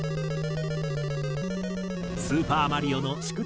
『スーパーマリオ』の宿敵